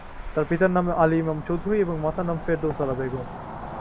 তার পিতার নাম আলী ইমাম চৌধুরী এবং মাতার নাম ফেরদৌস আরা বেগম।